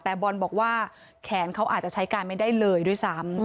แต่บอลบอกว่าแขนเขาอาจจะใช้การไม่ได้เลยด้วยซ้ำ